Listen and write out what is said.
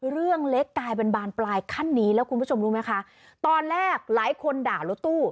เรื่องเล็กกลายเป็นบานปลายขั้นนี้แล้วคุณผู้ชมรู้ไหมคะตอนแรกหลายคนด่ารถตู้